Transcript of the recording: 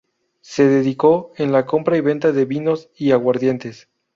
Se dedicó en la compra y venta de vinos y aguardientes.